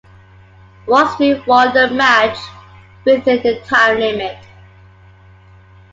Wallstreet won the match within the time limit.